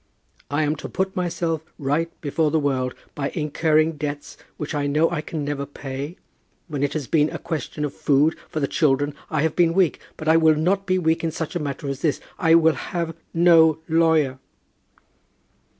"I am to put myself right before the world by incurring debts which I know I can never pay? When it has been a question of food for the children I have been weak, but I will not be weak in such a matter as this. I will have no lawyer."